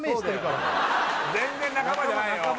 全然仲間じゃないよ